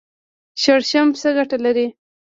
شړشم څه ګټه لري؟